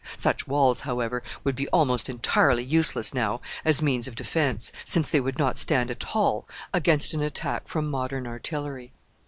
Such walls, however, would be almost entirely useless now as means of defense, since they would not stand at all against an attack from modern artillery.